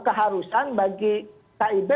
keharusan bagi kib